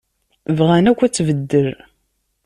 Bɣan akk ad tbeddel.